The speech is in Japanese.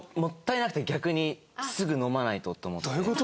どういう事？